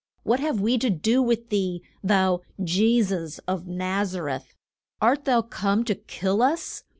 What have we to do with thee, thou Je sus of Naz a reth? Art thou come to kill us?